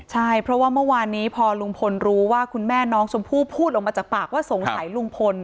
ใช่เพราะว่าเมื่อวานนี้พอลุงพลรู้ว่าคุณแม่น้องชมพู่พูดออกมาจากปากว่าสงสัยลุงพล